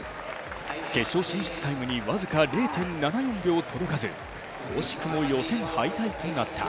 決勝進出タイムに僅か０．７４秒届かず、惜しくも予選敗退となった。